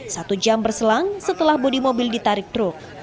satu jam berselang setelah bodi mobil ditarik truk